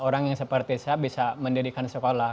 orang yang seperti saya bisa mendirikan sekolah